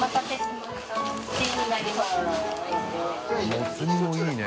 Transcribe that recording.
もつ煮もいいね。